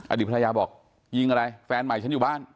อดีตภรรยาบอกยิงอะไรแฟนใหม่ฉันอยู่บ้าน